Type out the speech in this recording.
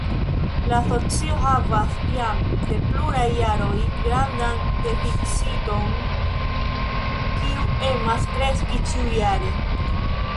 La asocio havas jam de pluraj jaroj grandan deficiton, kiu emas kreski ĉiujare.